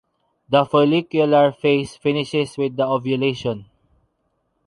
The follicular phase finishes with the ovulation.